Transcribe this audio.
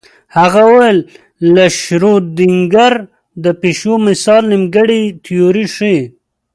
هغه ویل د شرودینګر د پیشو مثال نیمګړې تیوري ښيي.